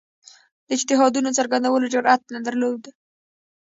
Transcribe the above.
د اجتهادونو څرګندولو جرئت نه درلود